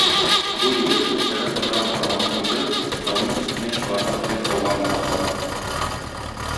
Бу егет, шул сәгать азрак тамагын туйдырып, тауның өстенә чыгарга теләп тауга менә башлады.